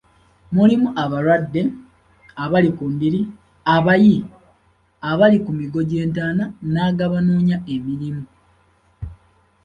Mulimu abalwadde, abali ku ndiri, abayi, abali ku migo gy’entaana na ag’abanoonya emirimu.